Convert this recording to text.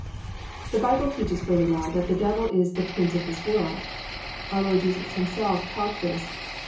4. The Bible teaches furthermore that the Devil is "the prince of this world." Our Lord Jesus Himself taught this.